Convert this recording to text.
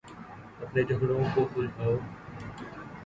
اپنے جھگڑوں کو سلجھاؤ۔